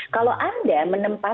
kalau anda menemukan